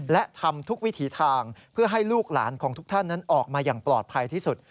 และทำทุกวิถีทางเพื่อให้ลูกหลานของทุกท่านนั้นออกมาอย่างปลอดภัยที่สุด